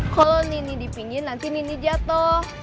kalau nini di pinggir nanti nini jatuh